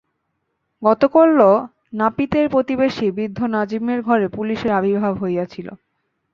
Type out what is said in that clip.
গতকল্য নাপিতের প্রতিবেশী বৃদ্ধ নাজিমের ঘরে পুলিসের আবির্ভাব হইয়াছিল।